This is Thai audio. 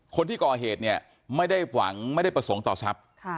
คนที่ก่อเหตุเนี่ยไม่ได้หวังไม่ได้ประสงค์ต่อทรัพย์